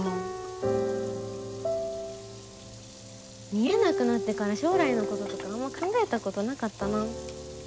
見えなくなってから将来のこととかあんま考えたことなかったな。